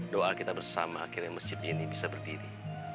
doa kita bersama akhirnya masjid ini bisa berdiri